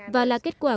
và là kết quả